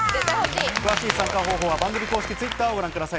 詳しい参加方法は番組公式Ｔｗｉｔｔｅｒをご覧ください。